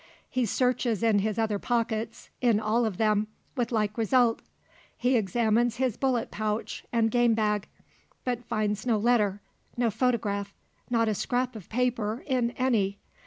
He searches in his other pockets in all of them, with like result. He examines his bullet pouch and gamebag. But finds no letter, no photograph, not a scrap of paper, in any!